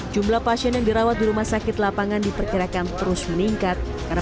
jumlah pasien yang dirawat di rumah sakit lapangan diperkirakan terus meningkat